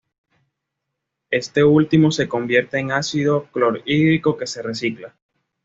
Este último se convierte en ácido clorhídrico que se recicla.